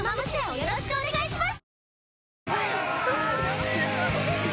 よろしくお願いします。